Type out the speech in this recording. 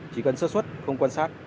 chỉ cần sơ xuất không quan sát